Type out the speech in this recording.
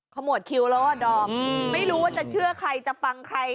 ขมวดคิวแล้วอ่ะดอมไม่รู้ว่าจะเชื่อใครจะฟังใคร